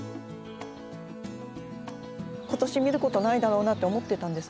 今年見ることないだろうなって思ってたんです。